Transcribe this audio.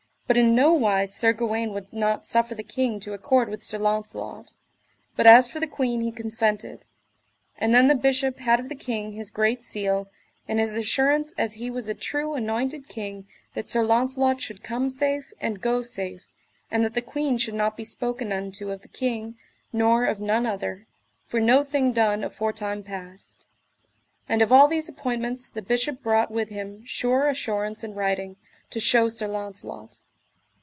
But in nowise Sir Gawaine would not suffer the king to accord with Sir Launcelot; but as for the queen he consented. And then the Bishop had of the king his great seal, and his assurance as he was a true anointed king that Sir Launcelot should come safe, and go safe, and that the queen should not be spoken unto of the king, nor of none other, for no thing done afore time past; and of all these appointments the Bishop brought with him sure assurance and writing, to shew Sir Launcelot.